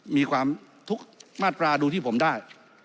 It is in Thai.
มีความทุกมาตราดูที่ผมได้